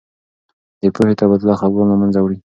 د پوهې تبادله خفګان له منځه وړي.